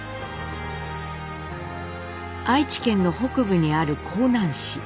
愛知県の北部にある江南市。